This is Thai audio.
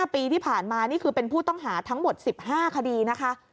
ปีที่ผ่านมานี่คือเป็นผู้ต้องหาทั้งหมด๑๕คดีนะคะ